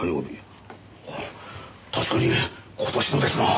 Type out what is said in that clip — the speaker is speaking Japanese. あ確かに今年のですなぁ！